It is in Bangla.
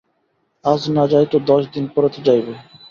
আজ না যায় তো দশ দিন পরে তো যাইবে।